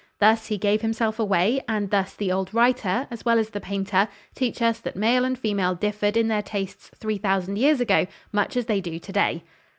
Thus he gave himself away, and thus the old writer, as well as the painter, teach us that male and female differed in their tastes three thousand years ago much as they do to day.